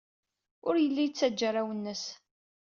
Ur yelli yettajja arraw-nnes.